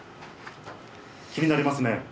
気になりますね。